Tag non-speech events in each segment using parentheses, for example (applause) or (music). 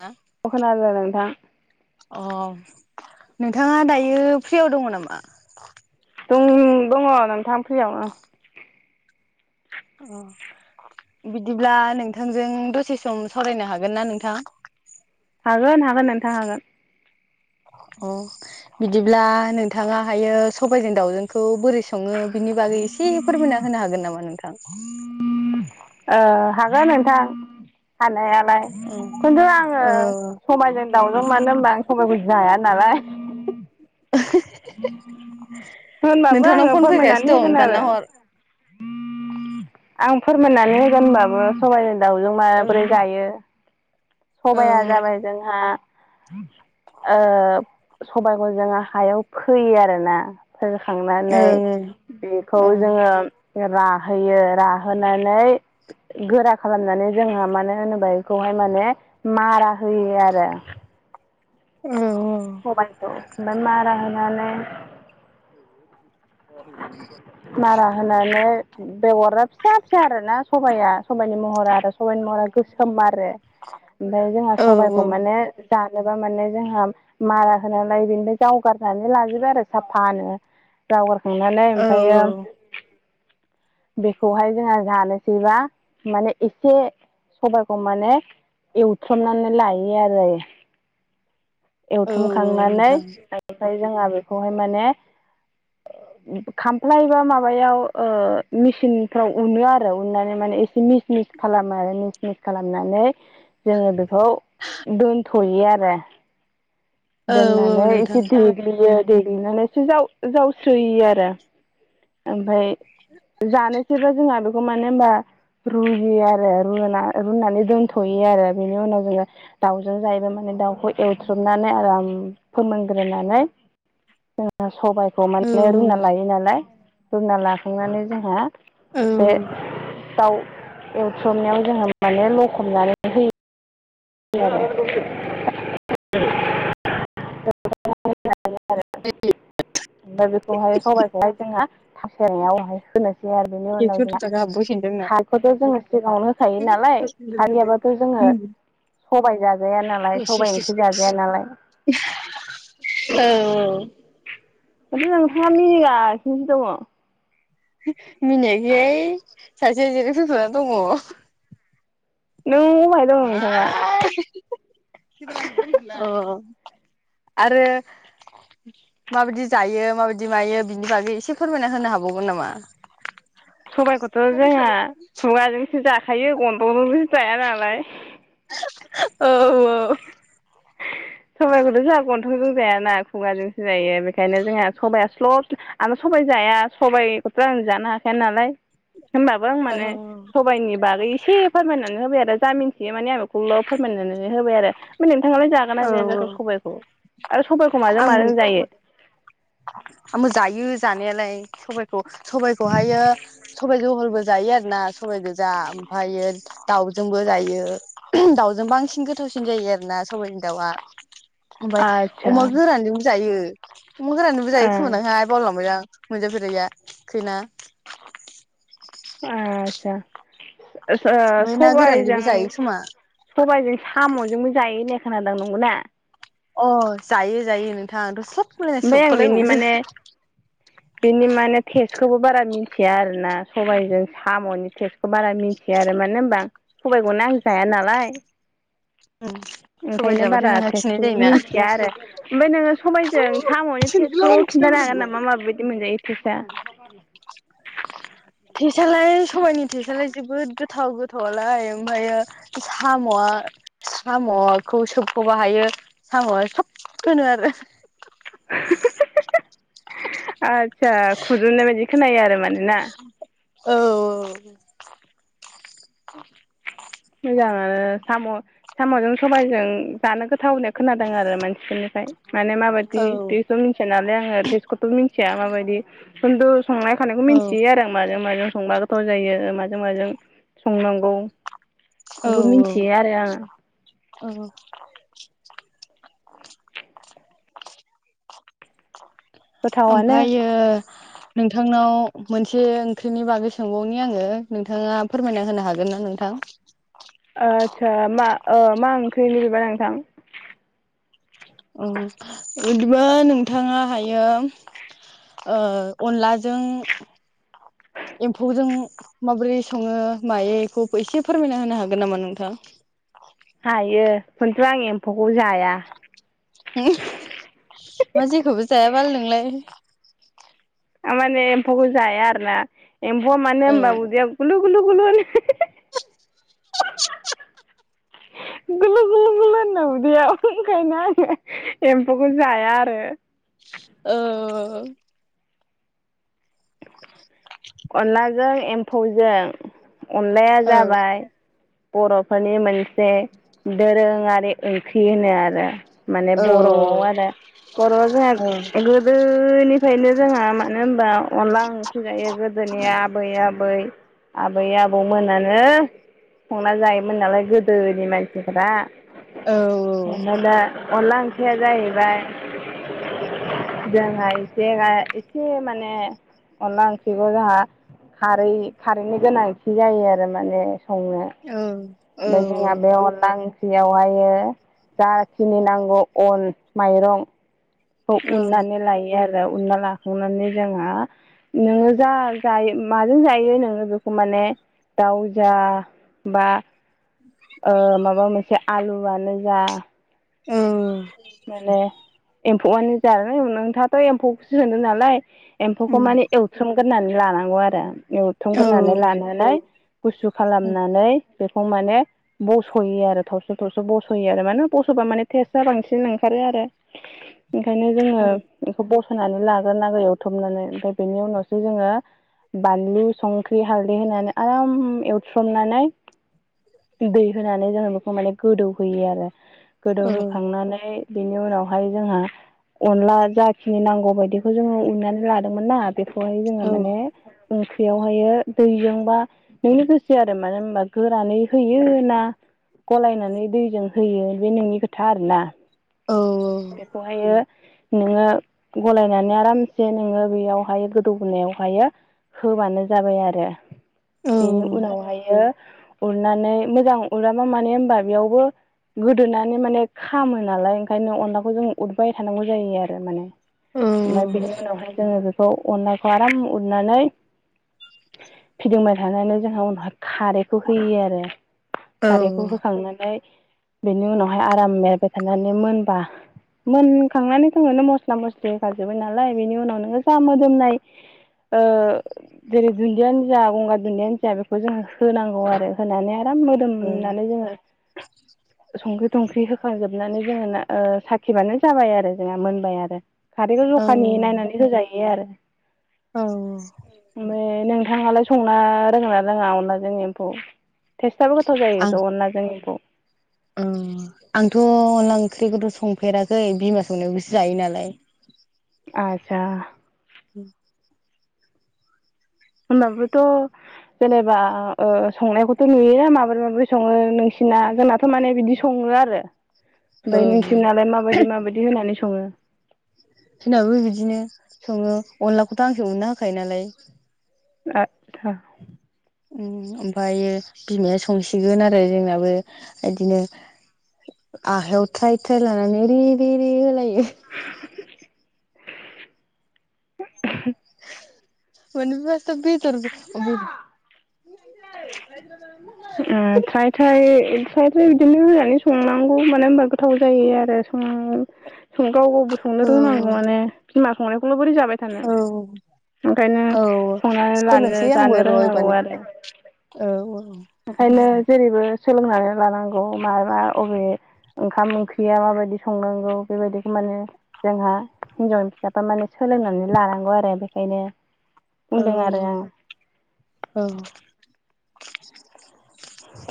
हा अ खोनादों नोंथां अ नोंथाङा दायो फ्रियाव दङ नामा। दङ नोंथां फ्रियावनो। अ बिदिब्ला नोंथांजों दसे सम सावरायनो हागोन ना नोंथां। हागोन हागोन नोंथां हागोन। अ बिदिब्ला नोंथाङाहायो सबायाइजों दाउजोंखौ बोरै सङो। बिनि बागै एसे फोरमायना होनो हागोन नामा नोंथां। हागोन नोंथां हानायालाय औ खिन्थु आङो औ सबायजों दाउजों मानो होनोमबा आं सबबायखौ जाया नालाय। होनबाबो नोंथांनाव आङो फन फोरमायनानै फैगासिनो दं होगोन दानना आरो। हर। आं फोरमायनानै होगोन होनबाबो सबाइनि दाउजों ओं माब्रै जायो सबाया ओं जाबाय जोंहा सबायाइखौ जोङो हायाव फोयो आरोना। औ फोखांनानै बेखौ औ जोङो। राहोयो राहोनानै गोरा खालामनानै जोंहा मानो होनोबा बेखौहाय माने मारा होयो आरो उम। स'बायखौ आमफ्राय मारा होनानै मारा होनानै बेगरा फिसा फिसा आरोना सबाया सबाइनि महरा आरो सबाइनि मरा गोसो आरो ओमफ्राय जोंहा औ सबाइखौ माने जानोबा मे जोंहा मारा होनालाय बेनिफ्राय जावगारनानै लाजोबाय आरो साफानो। जावगारखांनानै औ ओमफ्रायो बेखौहाय जोंहा जानोसैबा माने एसे सबायखौ माने एवथामनानै लायो आरो औ एवथुमखांनानै नोंथां मफ्राय जोंहा बेखौहाय माने खामफ्लाय बा माबायाव मेसिनफ्राव उनो आरो उननानै माने एसे मिस मिस खालामो आरो मिस मिस खालामनानै जोङो बेखौ दोनथ'यो आरो औ दोननानै औ नोंथां एसे देग्लियो देग्लिनानैसो जाव जावस्रोयो आरो ओमफफ्राय जानोसैबा जोंहा बेखौ मानो हबा रुयो आरो रु रुनानै दोनथ'यो आरो बेनि उनाव जोङो दाउजों जायोबा माने दाउखौ एवथ्रुबनानै आराम फोरोमोनग्रोनानै जोंहा सबायाइखौ औ माने रुना लायो नालाय रुना लाखांनानै जोंहा औ बे दाउ एवथ्रमनायाव जोङो माने लखबनानै होयो। होयो आरो। ओमफ्राय बेखौहाय सबाइखौहाय जोहा (inaudible) होनोसै ओमफ्राय बेनि उनाव एक्स' दस जोंहा थाखा हाबबोसिगोन जोंना। खारैखौथ' जोंङो सिगाङावनो होखायो नालाय खारै गैयाबाथ' जोङो सबाय जाजाया नालाय सबायाइ ओंख्रि जाजाया नालाय औ औ माथो नोंथांआ मिनिगासिनोसो दङ। मिनायाखैहाय सासेआ जिराय फैफाना दङ। नों अबाहाय दङ नोंथाङा अ आरो माबायदि जायो माबायदि मायो बिनि बागै एसे फोरमायना होनो हाबावगोन नामा? सबायखौथ' जोंहा खुगाजोंसो जाखायो गन्थंजोंथ' जाया नालाय औ औ सबाइखौथ' जोंहा गन्थंजों जायाना खुगाजोंसो जायो बेखायनो जोंहा सबाया स्ल' आंथ सबाय जाया सबाइखौथ' आं जानो हाखाया नालाय होमबाबो आं माने सबाइनि बागै एसे फोरमायनानै होबाय आरो जामिनथियो माने आं बेखौल' फोरमायनानै होबाय आरो ओमफ्राय नोंथाङालाय जा गोना जाया जाखो सबाइखौ आरो सबायखौ माजों आं माजों जायो? आंबो जायो जानायालाय सबाय खौ सबायखौहायो सबाय जहलबो जायो आरोना सबाय गोजा ओमफ्रायो दाउजोंबो जायो दाउजों बांसिन गोथावसिन जायो आरोना सबाइजों दाउवा ओमफ्राय आदसा अमा गोरानजोंबो जायो अमा गोरानजोंबो जायो ओ खोमा दांहाय बावलाय लांबाय आं मोनजाफेरैया खैना? आस्सा ओ सो ओमफ्राय ना गोरानजोंबो सबायजों जायो खोमा सबाइजों साम'जोंबो जायो होननाय खोनादां नंगौना? अ जायो जायो नोंथां आंथ' सब होनलायनाय सोबख' लायबावोसो। बिनि माने टेस्टखौबो बारा मिथिया आरोना सबाइजों सा सामनि टेस्टखौ बारा मिन्थिया आरो मानो होनबा सबायखौनो आं जाया नालाय सबाय ओंखायनो जाबाथाय बारा नोंहा खिनाय टेस्टखौ जायोना मिथिया आरो ओमफ्राय नोङो सबायजों साम'नि टेस्ट खौ खिन्थानो हागोन नामा माबायदि मोनजायो टेस्टआ टेस्टालाय सबायनि टेस्टालाय जोबोद गोथ गोथाव गोथावलाय ओमफ्रायो साम'आ साम'खौ सोबखौ हायो साम'आ सब होनोआरो आस्सा खुदुमनाय बायदि खोनायो आरो माने ना औ औ मोजां आनो साम' साम'जों सबायजों जानो गोथाव होननाय खोनादों आरो मानसिफोरनिफ्राय माने माबायदि औ बेखौ मिथिया नालाय आङो टेस्टखौथ' मिन्थिया माबायदि खिन्थु संनाय खावनायखौ औ मिन्थियो आरो आं माजों माजों संबा गोथाव जायो माजों माजों संनांगौ बेखौ मिथियो औ आरो आङो औ औ गोथावानो ओमफायो नोंथांनाव मोनसे ओंख्रिनि बागै सोंबावनि आङो नोंथाङा फोरमायना होनो हागोन ना नोंथां? आदसा मा ओ मा ओंख्रिनिबा नोंथां ओ बिदिबा नोंथाङा हायो ओ अनलाजों एम्फौजों माबोरै सङो मायो बेखौ एसे फोरमायना होनो हागोन नामा नोंथां? हायो खिन्थु आं एम्फौखौ जाया। मा जेखौबो जायाबाल नोंलाय? थारमाने एम्फौखौ जाया आरोना एम्फौआ मानो ओ होनबा उदैयाव गुलु गुलु गुलु होनो। (inaudible) (inaudible) गुलु गुलु गुलु होनो उदैयाव ओंखायनो आङो एम्फौखौ जाया आरो। औ औ (inaudible) अनलाजों एम्फौजों अनलाया औ जाबाय बर'फोरनि मोनसे दोरोङारि ओंख्रि होनो आरो माने औ बर'आव आरो बर'आव जोंहा औ एसेब गोदोनिफ्रायनो जोंहा मानो होनबा अनला ओंख्रि जायो गोदोनि आबैया आबै आबै आबौमोनानो संना जायोमोन नालाय गोदोनि मानसिफोरा। औ ओमफाय दा अनला ओंख्रिया जाहैबाय जोंहा एसे एसे माने अनला ओंख्रि खौ जोंहा खारै खारैनि गोनांथि जायो आरो माने संनो। औ। औ ओमफ्राय जोंहा बे अनला बेयावहायो जाखिनि नांगौ अन माइरं खौ उननानै लायो आरो उनना लाखांनानै जोंहा नोङो जा जायो माजों जायो नोङो बेखौ माने दाउ जा बा ओ माबा मोनसे आलुआनो जा औ। माने एम्फौआनो जा नोंथाङाथ' एम्फौखौसो सोंदों नालाय। औ एम्फौखौ माने एवथ्रोम गोरनानै लानांगौ आरो। एवथ्रमग्रोनानै लानानै गुसु खालामनानै बेखौ माने बस'यो आरो थरस थरस' बस'यो आरो मानो बस'बा माने टेस्ट आ बांसिन जोंना ओंखारो आरो ओंखायनो जोङो बेखौ बस'नानै लागोर नांगौ एवथुमनानै ओमफ्राय बेनि उनावसो जोङो बानलु संख्रि हालदै होनानै आराम एवथ्रमनानै दै होनानै जोङो बेखौ माने गोदौ होयो आरो गोदौहोखांनानै नै बिनि उनावहाय जोंहा अनला जाखिनि नांगौ बायदिखौ जोङो उनानै लादोंमोन ना बेखौहाय जोङो माने ओंख्रियावहायो दैजोंबा नोंनो गोसो आरो मानो होनबा गोरानै होयो ना गलायनानै दैजों होयो बे नोंनि खोथा आरोना। औ औ। बेखौहायो नोङो गलायनानै आरामसे नोङो बेयावहाय गोदौहोनायावहायो होबानो जाबाय आरो। औ बेनि उनावहायो उरनानै मोजां उरामा मानो होनबा बेयावबो गोदोनानै माने खामो नालाय ओंखायनो अनलाखौ जों उदबाय थानांगौ जायो आरो माने। औ ओमफ्राय बिनि उनावहाय जोङो बेखौ अनलाखौ आराम उरनानै फिदिंबाय थानानै जोंहा उनावहाय खारैखौ होयो आरो। औ खारैखौ होखांनानै बेनि उनावहाय आराम एरबाय थानानै मोनबा मोनखांनानै थोंनो मस्ला मस्लि होखाजोबाय नालाय बेनि उनाव नोङो जा मोदोमनाय ओ जेरै दुन्दियानो जा गंगार दुन्दियायानो जा बेखौ जोङो होनांगौ आरो होनानै आराम औ मोदोमनानै जोङो संख्रि थंख्रि होखाजोब नानै जोङो ना ओ साखिबानो जाबाय आरो जोंहा मोनबाय आरो। खारैखौ आं जखानि नायनानै होजायो आरो। औ औ। ओमफाय नोंथाङालाय संनो रोंङोना रोङा अनलाजों एम्फौ? टेस्टआबो गोथाव जायो थ' अनलाजों एम्फौ। आंथ' अनला ओंख्रिखौथ' संफेराखै बिमा संनायखौसो जायो नालाय। आतसा। (inaudible) होमबाबोथ' जेनेबा ओ संनायखौथ' नुयोोन माबोरै माबोरै सङो नोंसिना जोंना थारमाने बिदि सङो आरो औ ओमफ्राय नोंसिोरनालाय माबायदि माबायदि होनानै सङो सोरनाबो बिदिनो सङो अनलाखौथ' आंसो उननो होखायो नालाय आतसा ओमफ्रायायो बिमाया संसिगोन आरो जोंनाबो बिदिनो आखायाव थ्राय थ्राय लानानै रि रे रि होलायो (inaudible) मबो म बथर रायद्रनाावा फ्राय थ्राय थ्राय थ्राय बिदिनो होनानै संनांगौ मानो होनबा गोथाव जायो आरो गाव गावबो संनो रोंनांगौ माने बिमा संनायखौल' बोरै जाबाय थ औ ओंखायनो औ संनानै लानो सोलोंसै आंबो जानो र' रोंनांगौ आरो एबारनिफ्राय औ औ ओंखायनो जेरैबो सोलोंनानै लानांगौ माबा अबे ओंखाम ओंख्रिया माबायदि संनांगौ बेबायदिखौ माने जोंहा हिनजावनि फिसाफ माने सोलोंनानै लानांगौ आरो बेखायनो औ बुंदों आरो आं औ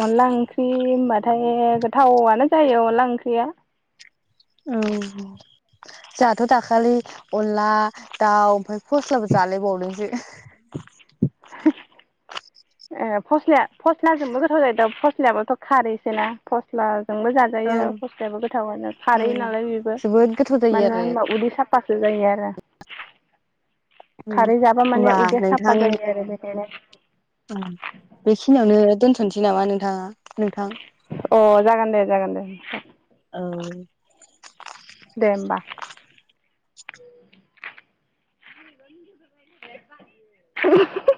अनला ओंख्रि होनबाथाय गोथावनो जायो अनला ओंख्रिया (unintelligible) जोंहाथ' दाखालि अनला दाउ ओमफ्राय फस्लाबो जालायबावनोसै (inaudible) ए फस्ल फस्लाजोंबो गोथाव जायोदा फस्लायाबोथ' खारैसै ना फस्लाजोंबो औ जाजायो फस्लायाबो गोथावानो औ खारै नालाय बेबो जोबोद गोथाव जायो मानो आरो होनबा उदै साफासो जायो आरो उम खारै जाबा माने होमबा उदै नोंथां साफा जायो आरो बेखायनो बेखिनियावनो दोनथ'नोसै नामा नोंथाङा नोंथां अ जागोन दे जागोन दे औ दे होमबा (inaudible)